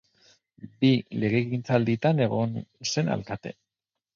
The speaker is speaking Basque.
Bi legegintzalditan egon zen alkate.